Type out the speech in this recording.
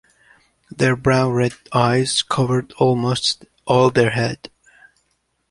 Their brown-red eyes cover almost all their head.